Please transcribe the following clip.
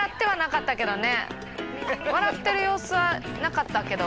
笑ってる様子はなかったけど。